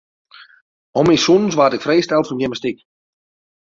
Om myn sûnens waard ik frijsteld fan gymnastyk.